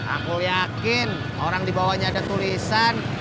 aku yakin orang dibawanya ada tulisan